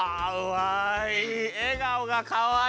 かわいい！